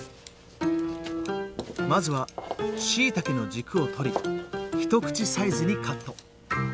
まずはしいたけの軸を取り一口サイズにカット。